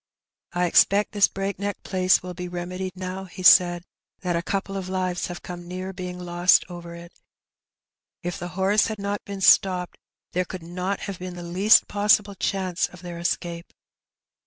*' I expect this breakneck place will be remedied now/^ he said, "that a couple of lives have come near being lost over it. If the horse had not been stopped there could not have been the least possible chance of their escape.